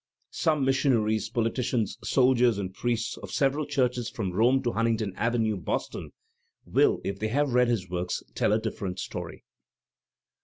Some missionaries, politicians, soldiers, and priests of several churches from Rome to Huntington Avenue, Boston, will, if they have read his works, tell a different story.